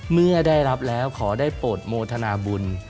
เมื่อได้รับแล้วขอได้โปรดโมทนาบุญ